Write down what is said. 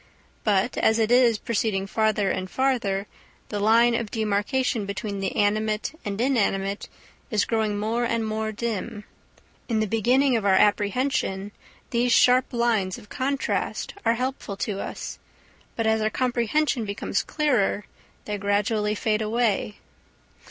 But as it is proceeding farther and farther the line of demarcation between the animate and inanimate is growing more and more dim. In the beginning of our apprehension these sharp lines of contrast are helpful to us, but as our comprehension becomes clearer they gradually fade away.